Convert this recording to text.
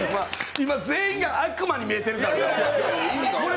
今、全員が悪魔に見えてるから。